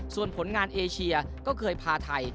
ส่วนผลงานเอเชียก็เคยพาไทย